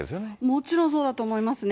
もちろんそうだと思いますね。